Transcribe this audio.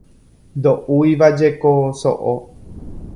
Ndoʼúivajeko soʼo.